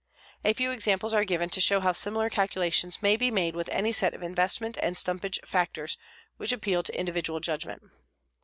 A few examples are given to show how similar calculations may be made with any set of investment and stumpage factors which appeal to individual judgment.